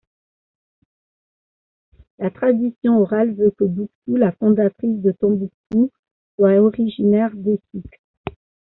La tradition orale veut que Bouctou, la fondatrice de Tombouctou, soit originaire d'Essouk.